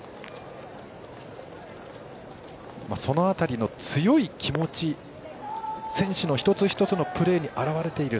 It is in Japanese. その辺りの強い気持ちが選手の一つ一つのプレーに表れている。